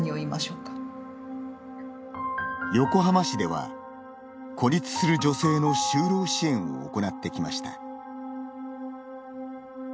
横浜市では、孤立する女性の就労支援を行ってきました。